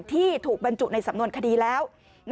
ที่ถูกบรรจุในสำนวนคดีแล้ว